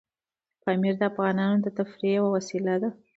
پامیر د افغانانو د تفریح یوه وسیله ده.